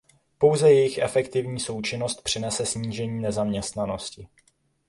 Pouze jejich efektivní součinnost přinese snížení nezaměstnanosti.